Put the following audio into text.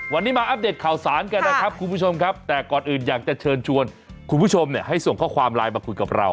วันนี้มาอัปเดตข่าวสารกันนะครับคุณผู้ชมครับแต่ก่อนอื่นอยากจะเชิญชวนคุณผู้ชมเนี่ยให้ส่งข้อความไลน์มาคุยกับเรา